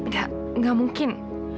gak gak mungkin